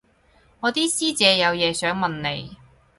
我啲師姐有嘢想問你